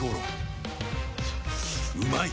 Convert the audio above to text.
うまい！